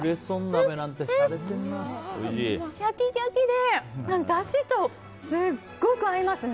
シャキシャキでだしとすごく合いますね！